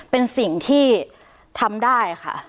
เป็นสิ่งที่ทำได้ค่ะ